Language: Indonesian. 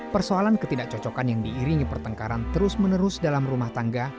persoalan ketidakcocokan yang diiringi pertengkaran terus menerus dalam rumah tangga